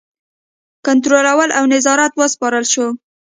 کنټرول او نظارت وسپارل شو.